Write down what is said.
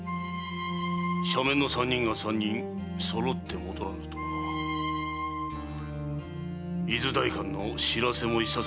赦免の三人が三人そろって戻らぬとは伊豆代官の知らせもいささか腑に落ちぬ。